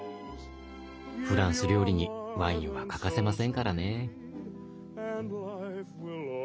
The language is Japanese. フランス料理にワインは欠かせませんからね。